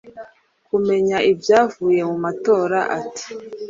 kumenya ibyavuye mu matora, ati: "